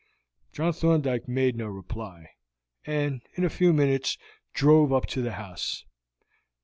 John Thorndyke made no reply, and in a few minutes drove up to the house.